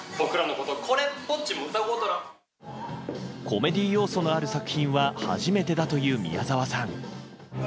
これっぽっちもコメディー要素のある作品は初めてだという宮沢さん。